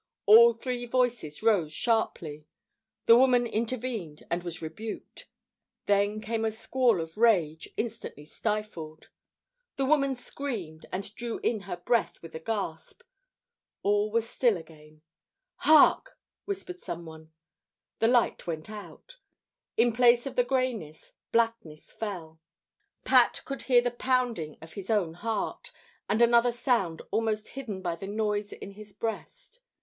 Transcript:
All three voices rose sharply. The woman intervened, and was rebuked. Then came a squall of rage, instantly stifled. The woman screamed, and drew in her breath with a gasp. All was still again. "Hark!" whispered someone. The light went out. In place of the greyness, blackness fell. Pat could hear the pounding of his own heart, and another sound almost hidden by the noise in his breast.